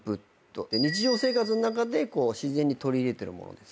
日常生活の中で自然に取り入れてるものですか？